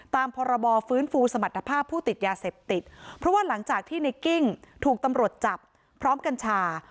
พรบฟื้นฟูสมรรถภาพผู้ติดยาเสพติดเพราะว่าหลังจากที่ในกิ้งถูกตำรวจจับพร้อมกัญชา